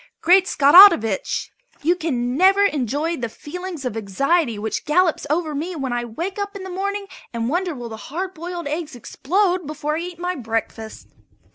Great Scottovitch! you can never enjoy the feeling of anxiety which gallops over me when I wake in the morning and wonder will the hard boiled eggs explode before I eat my breakfast.